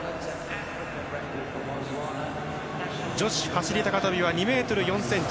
女子走り高跳びは２ｍ４ｃｍ。